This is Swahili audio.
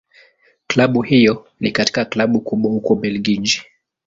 Klabu hiyo ni katika Klabu kubwa huko Ubelgiji.